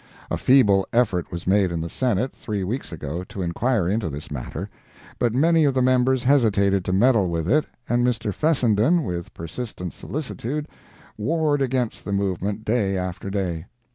A feeble effort was made in the Senate, three weeks ago, to inquire into this matter, but many of the members hesitated to meddle with it, and Mr. Fessenden, with persistent solicitude, warred against the movement day after day.